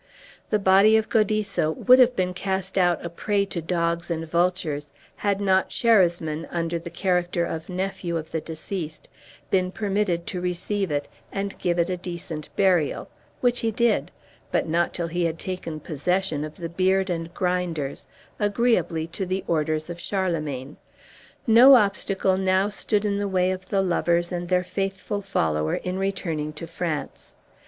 The body of Gaudisso would have been cast out a prey to dogs and vultures, had not Sherasmin, under the character of nephew of the deceased, been permitted to receive it, and give it decent burial, which he did, but not till he had taken possession of the beard and grinders, agreeably to the orders of Charlemagne. No obstacle now stood in the way of the lovers and their faithful follower in returning to France.